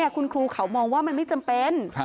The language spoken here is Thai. คุณครูเขามองว่ามันไม่จำเป็น